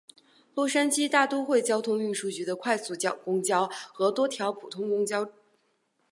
洛杉矶大都会交通运输局的快速公交和多条普速公交车线路在此汇集。